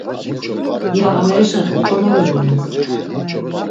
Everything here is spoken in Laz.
İya amerişen oqononi voret.